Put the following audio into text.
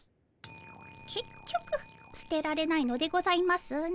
けっきょく捨てられないのでございますね。